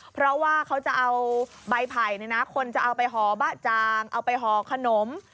เพราะว่าเขาจะเอาใบไผ่คนจะเอาไปห่อบะจางเอาไปห่อขนม